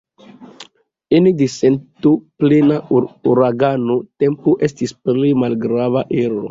Ene de sentoplena uragano tempo estis plej malgrava ero.